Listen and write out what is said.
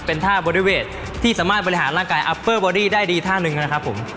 เป็นท่าที่สามารถบริหารร่างกายได้ดีท่าหนึ่งนะครับผม